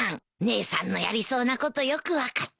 姉さんのやりそうなことよく分かってるよ。